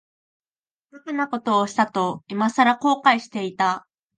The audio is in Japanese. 馬鹿なことをしたと、いまさら後悔していた。